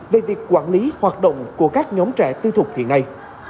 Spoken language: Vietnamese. về việc quản lý hoạt động của các nhóm trẻ tư thuộc thì ngay